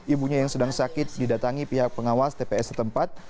ibunya yang sedang sakit didatangi pihak pengawas tps setempat